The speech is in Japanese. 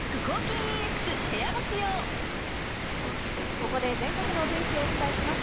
ここで全国のお天気をお伝えします。